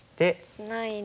ツナいで。